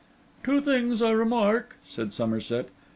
'Two things I remark,' said Somerset.